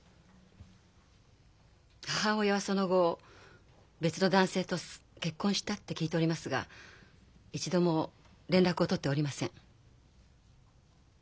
母親はその後別の男性と結婚したって聞いておりますが一度も連絡をとっておりません。